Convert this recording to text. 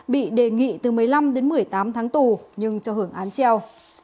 bị đề nghị từ một mươi năm đến một mươi tám tháng tù nhưng cho hưởng án treo